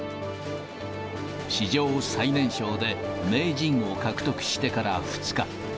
史上最年少で名人を獲得してから２日。